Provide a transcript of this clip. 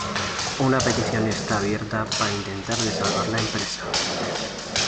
Una petición está abierta para intentar de salvar la empresa.